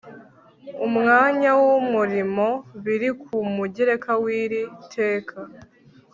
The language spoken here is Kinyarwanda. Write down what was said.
umwanya w umurimo biri ku mugereka w iri teka